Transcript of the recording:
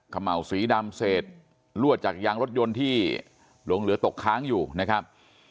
เขม่าวสีดำเศษลวดจากยางรถยนต์ที่หลงเหลือตกค้างอยู่นะครับ